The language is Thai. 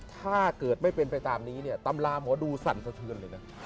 ถ้าเกิดไม่เป็นไปตามนี้ตำลามว่าดูสั่นสะเทือน